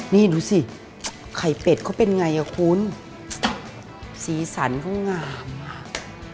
นี่ดูสิไข่เป็ดเขาเป็นไงอ่ะคุณสีสันเขางามมาก